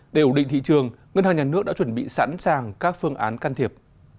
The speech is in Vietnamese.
để ổn định thị trường ngân hàng nhà nước đã chuẩn bị sẵn sàng các phương án can thiệp